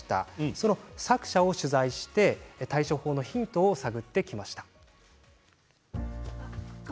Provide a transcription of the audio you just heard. その作者を取材して対処法のヒントを探りました。